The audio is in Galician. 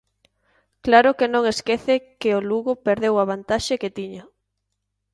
Claro que non esquece que o Lugo perdeu a vantaxe que tiña.